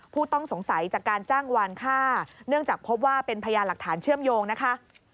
ผู้ต้องสงสัยจากการจ้างวานค่าเนื่องจากพบว่าเป็นพยานหลักฐานเชื่อมโยงนะคะ